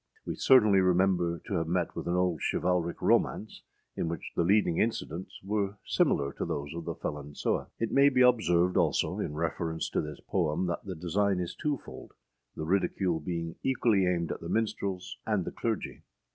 We certainly remember to have met with an old chivalric romance, in which the leading incidents were similar to those of the Felon Sewe. It may be observed, also, in reference to this poem, that the design is twofold, the ridicule being equally aimed at the minstrels and the clergy.